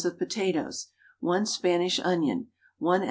of potatoes, 1 Spanish onion, 1 oz.